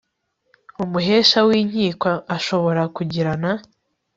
umuhesha w inkiko ashobora kugirana